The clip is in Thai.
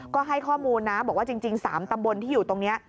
ก็ให้ข้อมูลนะบอกว่าจริง๓ตำบลที่อยู่ตรงนี้